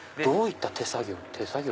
どういった手作業？